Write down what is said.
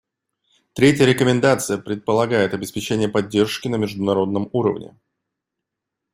Третья рекомендация предполагает обеспечение поддержки на международном уровне.